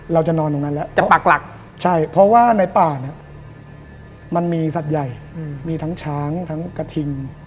เราจะนอนตรงนั้นแล้วจากปากหลักใช่เพราะว่าในป่าเนี่ยมันมีสัตว์ใหญ่มีทั้งช้างทั้งกระทิง